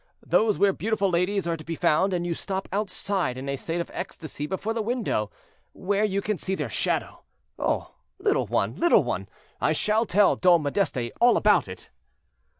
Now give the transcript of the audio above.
Those where beautiful ladies are to be found, and you stop outside in a state of ecstasy before the window, where you can see their shadow. Oh! little one, little one, I shall tell Dom Modeste all about it."